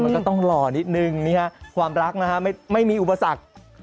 มันก็ต้องหล่อนิดนึงความรักนะฮะไม่มีอุปสรรค